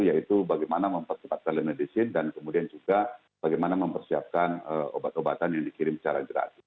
yaitu bagaimana mempercepat telemedicine dan kemudian juga bagaimana mempersiapkan obat obatan yang dikirim secara gratis